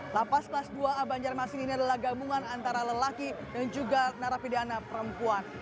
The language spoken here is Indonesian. lapas kelas dua a banjarmasin ini adalah gabungan antara lelaki dan juga narapidana perempuan